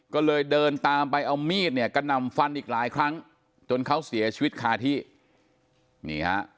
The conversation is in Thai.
ก็เลยเดินตามไปเอามีดเนี่ยกระหน่ำฟันอีกหลายครั้งจนเขาเสียชีวิตคาที่นี่ฮะ